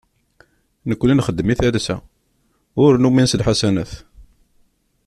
Nekni nxeddem i talsa, ur numin s lḥasanat.